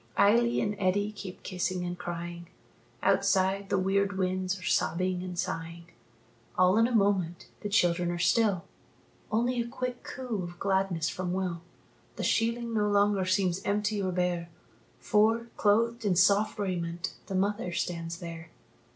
Eily and Eddie keep kissing and crying Outside, the weird winds are sobbing and sighing. All in a moment the children are still, Only a quick coo of gladness from Will. The sheeling no longer seems empty or bare, For, clothed in soft raiment, the mother stands there.